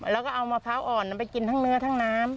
แล้วก็เอามะพร้าวอ่อนไปกินทั้งเนื้อทั้งน้ำ